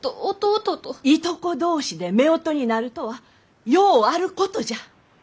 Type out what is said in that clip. いとこ同士でめおとになるとはようあることじゃ！